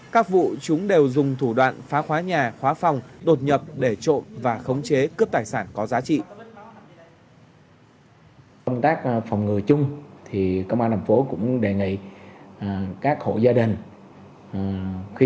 các vụ chúng đều dùng thủ đoạn phá khóa nhà khóa phòng đột nhập để trộm và khống chế cướp tài sản có giá trị